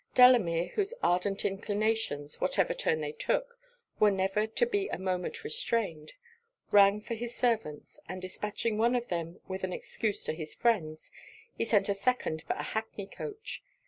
Delamere, whose ardent inclinations, whatever turn they took, were never to be a moment restrained, rang for his servants; and dispatching one of them with an excuse to his friends, he sent a second for an hackney coach.